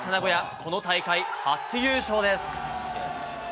この大会初優勝です。